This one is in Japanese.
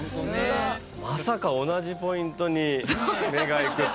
まさか同じポイントに目がいくとは。